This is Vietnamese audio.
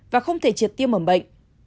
và không thể triệt tiêm mẩm bệnh